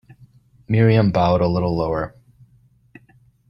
Miriam bowed a little lower.